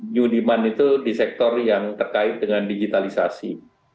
new demand itu di sektor yang terkait dengan digitalisasi